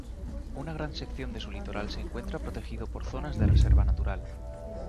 Una gran sección de su litoral se encuentra protegido por zonas de reserva natural.